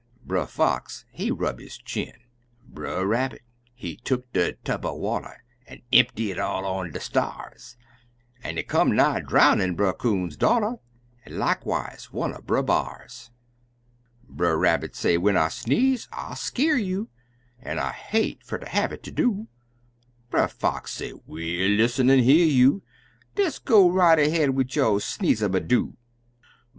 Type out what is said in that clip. Brer Fox, he rub his chin; Brer Rabbit, he tuck de tub er water, An' empty it all on de sta'rs, An' it come nigh drownin' Brer Coon's daughter. An' likewise one er Brer B'ar's! Brer Rabbit say, "When I sneeze I'll skeer you, An' I hate fer ter have it ter do!" Brer Fox say, "We'll lissen an' hear you Des go right ahead wid yo' sneeze a ma roo!"